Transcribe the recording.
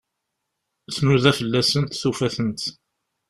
Tnuda fell-asent, tufa-tent.